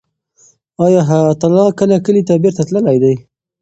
آیا حیات الله کله کلي ته بېرته تللی دی؟